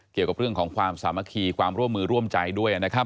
เกี่ยวกับเรื่องของความสามัคคีความร่วมมือร่วมใจด้วยนะครับ